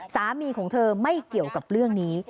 สามีของเธอไม่เกี่ยวกับเรื่องนี้